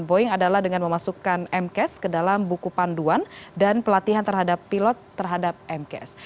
boeing adalah dengan memasukkan mcas ke dalam buku panduan dan pelatihan terhadap pilot terhadap mcas